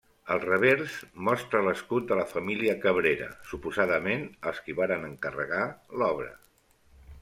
El revers mostra l'escut de la família Cabrera, suposadament els qui varen encarregar l'obra.